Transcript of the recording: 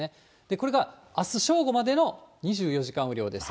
これがあす正午までの２４時間雨量です。